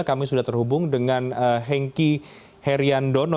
kami sudah terhubung dengan henki herian dono